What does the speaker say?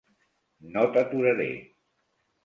No t'aturaré!